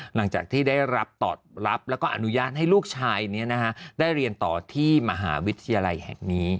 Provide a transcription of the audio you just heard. หลังจากที่ได้รับตอบรับแล้วก็อนุญาตให้ลูกชายนี้ได้เรียนต่อที่มหาวิทยาลัยแห่งนี้